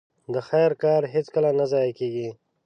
د خير کار هيڅکله نه ضايع کېږي.